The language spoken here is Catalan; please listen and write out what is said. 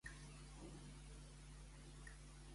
Pots respondre al missatge de Line ens va enviar el Martí ahir?